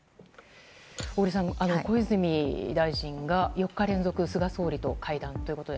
小栗さん、小泉大臣が４日連続菅総理と会談ということで。